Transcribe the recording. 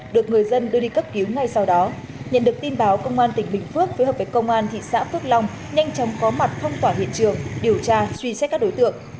được người dân đưa đi cấp cứu ngay sau đó nhận được tin báo công an tỉnh bình phước phối hợp với công an thị xã phước long nhanh chóng có mặt phong tỏa hiện trường điều tra truy xét các đối tượng